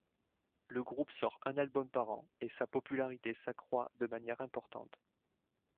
Le groupe sort un album par an et sa popularité s’accroît de manière importante.